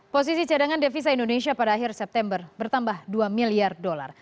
posisi cadangan devisa indonesia pada akhir september bertambah dua miliar dolar